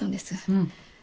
うん。